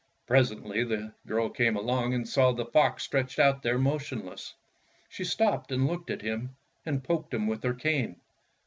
Presently the girl came along and saw the fox stretched out there motionless. She stopped and looked at him and poked him with hei cane.